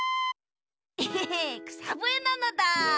えへへくさぶえなのだ！